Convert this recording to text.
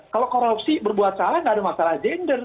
kalau korupsi berbuat salah nggak ada masalah gender